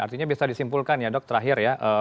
artinya bisa disimpulkan ya dok terakhir ya